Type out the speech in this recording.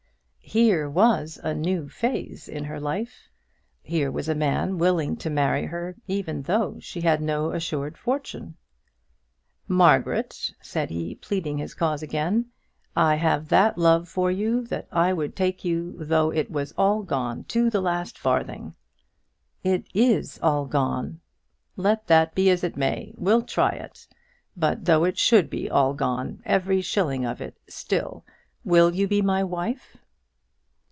Here was a new phase in her life. Here was a man willing to marry her even though she had no assured fortune. "Margaret," said he, pleading his cause again, "I have that love for you that I would take you though it was all gone, to the last farthing." "It is all gone." "Let that be as it may, we'll try it. But though it should be all gone, every shilling of it, still, will you be my wife?"